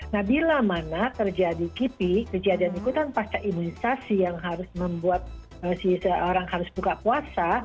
nah bila mana terjadi kipi kejadian ikutan pasta imunisasi yang harus membuat si seorang harus buka puasa